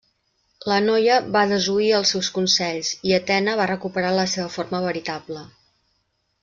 La noia va desoir els seus consells, i Atena va recuperar la seva forma veritable.